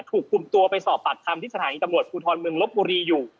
ถูกคุมตัวไปสอบปากคำที่สถานีตำรวจภูทรเมืองลบบุรีอยู่